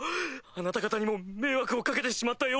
あなた方にも迷惑を掛けてしまったようで。